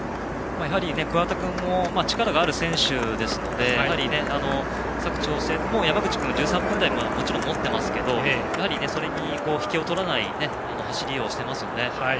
やはり桑田君も力がある選手ですので佐久長聖の山口君も１３分台をもちろん持っていますけどもそれに引けを取らない走りをしていますよね。